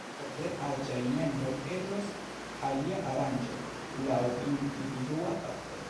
Por tre aĝaj membroj, eblos alia aranĝo laŭ individua trakto.